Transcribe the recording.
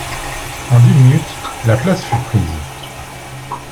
En dix minutes, la place fut prise.